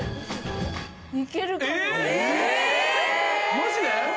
・マジで？